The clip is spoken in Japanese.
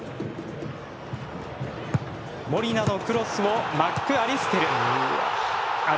モリナのクロスをマックアリステル。